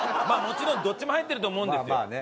まあもちろんどっちも入ってると思うんですよ。